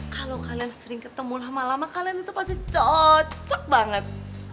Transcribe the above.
kalau kalian sering ketemu lama lama kalian itu pasti cocok banget